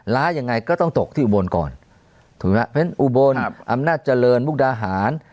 ล้ายังไงก็ต้องตกที่อุบลก่อนถูกไหมเพราะฉะนั้นอุบลอำนาจเจริญมุกดาหาร